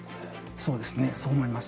そうですね、そう思います。